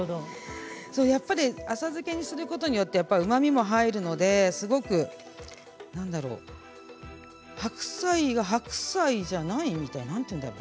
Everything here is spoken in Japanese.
浅漬けにすることによってうまみも入るのですごく白菜が白菜じゃないみたいななんて言うんだろう